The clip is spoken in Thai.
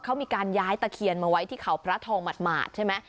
เขามีการย้ายตะเคียนมาไว้ที่เขาพระทองหมาดใช่ไหม